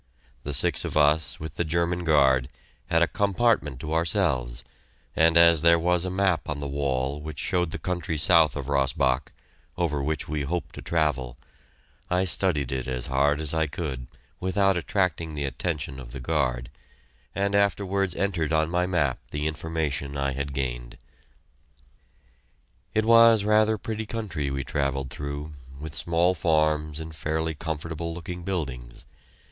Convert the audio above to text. The six of us, with the German guard, had a compartment to ourselves, and as there was a map on the wall which showed the country south of Rossbach, over which we hoped to travel, I studied it as hard as I could without attracting the attention of the guard, and afterwards entered on my map the information I had gained. It was rather a pretty country we travelled through, with small farms and fairly comfortable looking buildings.